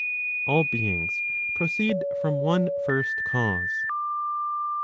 All beings proceed from one first cause.